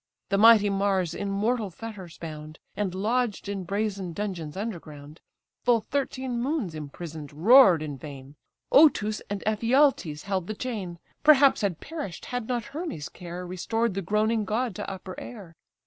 The mighty Mars in mortal fetters bound, And lodged in brazen dungeons underground, Full thirteen moons imprison'd roar'd in vain; Otus and Ephialtes held the chain: Perhaps had perish'd had not Hermes' care Restored the groaning god to upper air.